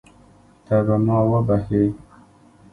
ته به ما وبښې.